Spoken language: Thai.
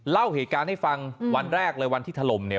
เล่าเหตุการณ์ให้ฟังวันแรกเลยวันที่ถล่มเนี่ย